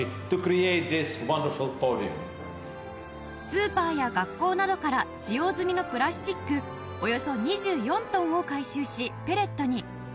スーパーや学校などから使用済みのプラスチックおよそ２４トンを回収しペレットに